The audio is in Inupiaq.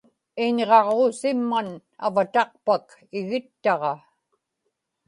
iñġaġuusimman avataqpak igittaġa